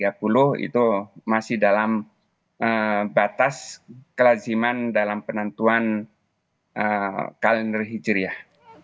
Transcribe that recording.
itu masih dalam batas kelaziman dalam penentuan kalender hijriah